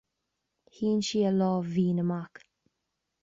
Shín sí a lámh mhín amach.